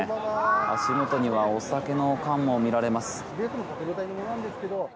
足元にはお酒の缶も見られます。